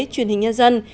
truyền hình nhân dân